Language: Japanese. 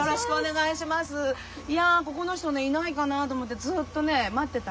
いやここの人ねいないかなと思ってずっとね待ってた。